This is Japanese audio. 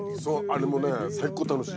あれもね最高楽しい。